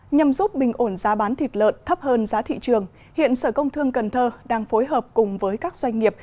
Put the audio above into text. nhằm giúp bình ổn giá bán thịt lợn thấp hơn giá thị trường hiện sở công thương cần thơ đang phối hợp cùng với các doanh nghiệp